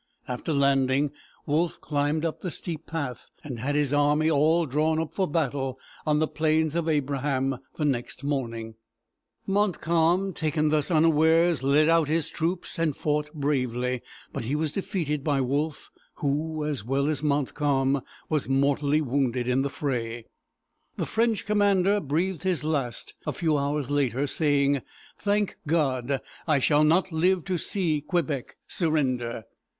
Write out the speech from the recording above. After landing, Wolfe climbed up the steep path, and had his army all drawn up for battle on the Plains of Abraham the next morning. [Illustration: Battle of Quebec.] Montcalm, taken thus unawares, led out his troops and fought bravely; but he was defeated by Wolfe, who, as well as Montcalm, was mortally wounded in the fray. The French commander breathed his last a few hours later, saying: "Thank God, I shall not live to see Quebec surrender!"